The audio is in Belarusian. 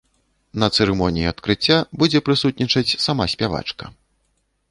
На цырымоніі адкрыцця будзе прысутнічаць сама спявачка.